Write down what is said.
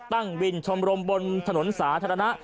ตั้งวินชมรมบนถนนสาธารณะ